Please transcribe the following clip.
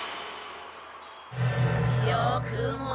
よくも！